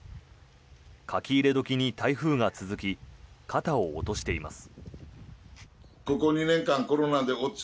書き入れ時に台風が続き肩を落としています。